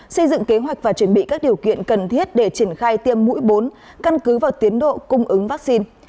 xây dựng kế hoạch và chuẩn bị các điều kiện cần thiết để triển khai tiêm mũi bốn căn cứ vào tiến độ cung ứng vaccine